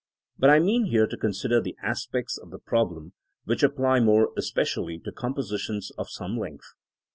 But I mean here to consider the aspects of the problem which apply more especially to compositions of some length.